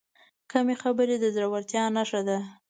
کمې خبرې، د زړورتیا نښه ده.